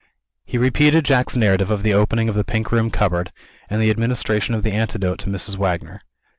He repeated Jack's narrative of the opening of the Pink Room cupboard, and the administration of the antidote to Mrs. Wagner.